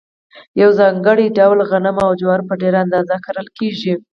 په ځانګړي ډول غنم او جوار په ډېره اندازه کرل کیږي.